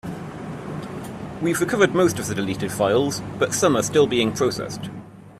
We have recovered most of the deleted files, but some are still being processed.